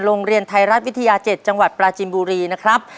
โรงเรียนไทยรัฐวิทยา๗จังหวัดปราจินบุรีนะครับ